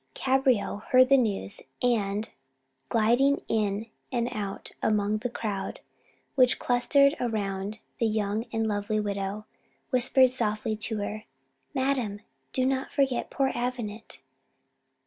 Cabriole heard the news, and, gliding in and out among the crowd which clustered round the young and lovely widow, whispered softly to her "Madam, do not forget poor Avenant."